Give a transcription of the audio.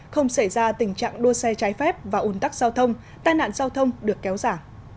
không xảy ra tình trạng đua xe trái phép và ủn tắc giao thông tai nạn giao thông được kéo giả